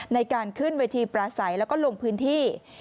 ในการขึ้นเวทีปราศัยแล้วก็ลงพื้นที่